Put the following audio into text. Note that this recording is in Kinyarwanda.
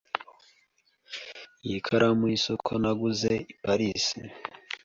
Iyi karamu yisoko naguze i Paris.